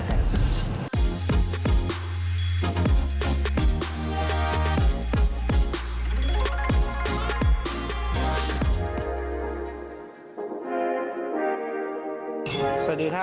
กลับมาก่อนสวัสดีครับ